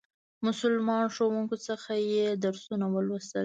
مسلمانو ښوونکو څخه یې درسونه ولوستل.